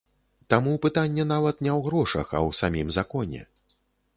Таму пытанне нават не ў грошах, а ў самім законе.